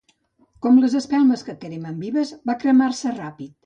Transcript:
Com les espelmes que cremen vives, va cremar-se ràpid.